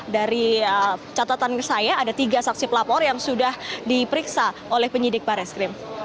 dari catatan saya ada tiga saksi pelapor yang sudah diperiksa oleh penyidik barreskrim